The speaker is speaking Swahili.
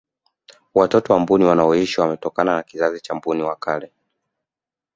watoto wa mbuni wanaoishi wametokana na kizazi cha mbuni wa kale